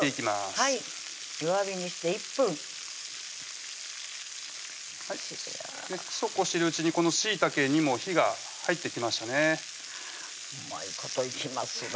はい弱火にして１分そうこうしているうちにしいたけにも火が入ってきましたうまいこといきますね